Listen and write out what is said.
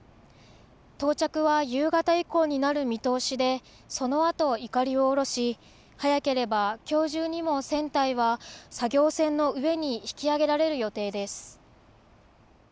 到着は夕方以降になる見通しでそのあと、いかりを下ろし早ければきょう中にも船体は作業船の上に引き揚げられる予定です。